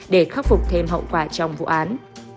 để khắc phục thêm hậu quả trong vụ án